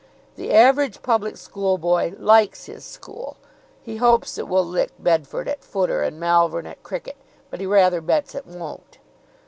The average public school boy likes his school. He hopes it will lick Bedford at footer and Malvern at cricket, but he rather bets it won't.